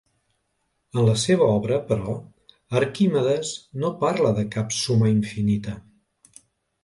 En la seva obra però, Arquimedes no parla de cap suma infinita.